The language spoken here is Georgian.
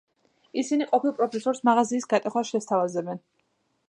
ისინი ყოფილ პროფესორს მაღაზიის გატეხვას შესთავაზებენ.